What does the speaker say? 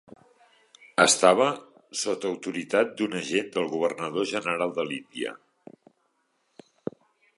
Estava sota autoritat d'un agent del Governador General de l'Índia.